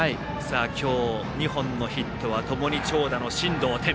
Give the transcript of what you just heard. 今日２本のヒットはともに長打の進藤天。